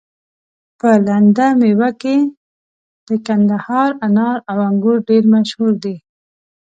په لنده ميوه کي د کندهار انار او انګور ډير مشهور دي